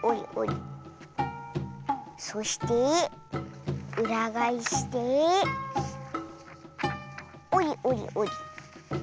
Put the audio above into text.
そしてうらがえしておりおりおり。